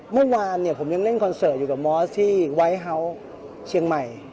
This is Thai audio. เมื่อวานเนี่ยผมยังเล่นคอนเสิร์ตอยู่กับมอสที่ไวทเฮาส์เชียงใหม่